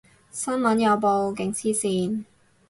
新聞有報，勁黐線